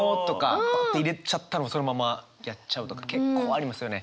パッて入れちゃったのがそのままやっちゃうとか結構ありますよね。